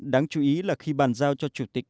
đáng chú ý là khi bàn giao cho chủ tịch